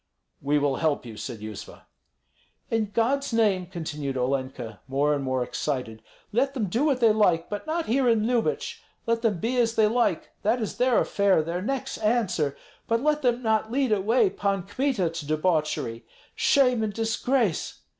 "We will help you," said Yuzva. "In God's name," continued Olenka, more and more excited, "let them do what they like, but not here in Lyubich. Let them be as they like, that is their affair, their necks' answer; but let them not lead away Pan Kmita to debauchery. Shame and disgrace!